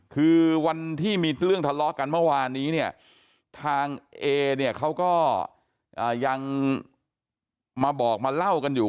คือวันที่มีเรื่องทะเลาะกันเมื่อวานนี้เนี่ยทางเอเนี่ยเขาก็ยังมาบอกมาเล่ากันอยู่